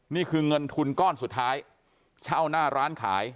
นี่คือเงินทุนก้อนสุดท้ายเช่าหน้าร้านขาย